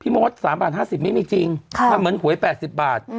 มด๓บาท๕๐ไม่มีจริงมันเหมือนหวย๘๐บาท